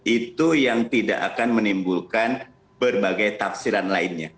itu yang tidak akan menimbulkan berbagai tafsiran lainnya